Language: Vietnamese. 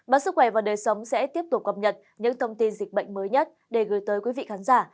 bác sức khỏe và đời sống sẽ tiếp tục cập nhật những thông tin dịch bệnh mới nhất để gửi tới quý vị khán giả